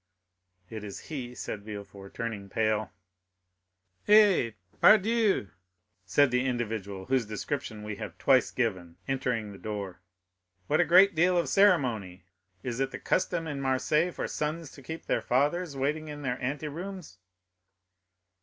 "It is he!" said Villefort, turning pale. 0148m "Eh, pardieu!" said the individual whose description we have twice given, entering the door, "what a great deal of ceremony! Is it the custom in Marseilles for sons to keep their fathers waiting in their anterooms?"